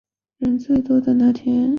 人最多那天直接定下来